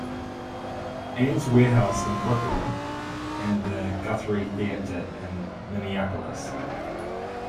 Ann's Warehouse in Brooklyn, and the Guthrie Theater in Minneapolis.